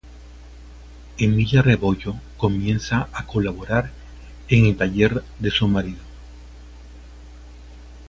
Emilia Rebollo comienza a colaborar en el taller de su marido.